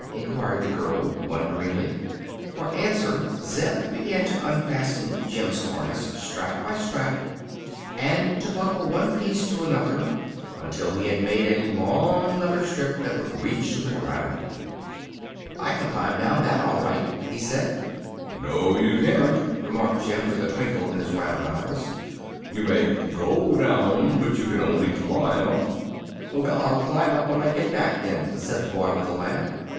enquired the girl, wonderingly. For answer Zeb began to unfasten Jim's harness, strap by strap, and to buckle one piece to another until he had made a long leather strip that would reach to the ground. [Illustration: THE FIGHT WITH THE GARGOYLES.] "I can climb down that, all right," he said. "No you can't," remarked Jim, with a twinkle in his round eyes. "You may go down, but you can only climb up." "Well, I'll climb up when I get back, then," said the boy, with a laugh.